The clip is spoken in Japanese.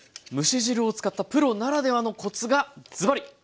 蒸し汁を使ったプロならではのコツがズバリ！